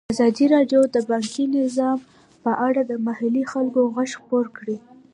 ازادي راډیو د بانکي نظام په اړه د محلي خلکو غږ خپور کړی.